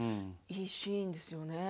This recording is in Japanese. いいシーンですよね。